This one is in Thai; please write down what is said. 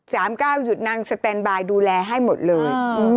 สามเก้าหยุดนางสเตนบายดูแลให้หมดเลย